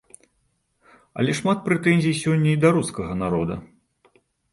Але шмат прэтэнзій сёння і да рускага народа.